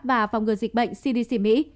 và phòng ngừa dịch bệnh cdc mỹ